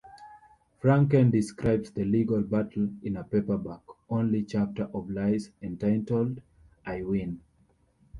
Franken describes the legal battle in a paperback-only chapter of "Lies" entitled "I Win".